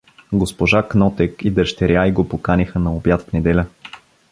Госпожа Кнотек и дъщеря й го поканиха на обяд в неделя.